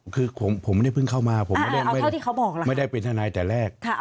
คือผมไม่ได้เพิ่งเข้ามาผมไม่ได้เป็นทนายแต่แรก